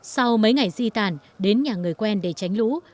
sau mấy ngày di tản đến nhà người quen để tránh lũ